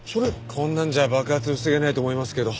こんなんじゃ爆発防げないと思いますけど。